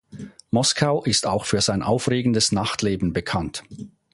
Moskau ist auch für sein aufregendes Nachtleben bekannt.